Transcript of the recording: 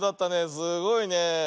すごいねえ。